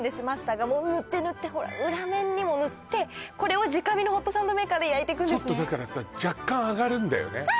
マスターがもう塗って塗って裏面にも塗ってこれを直火のホットサンドメーカーで焼いていくんですねちょっとだからさ若干揚がるんだよね？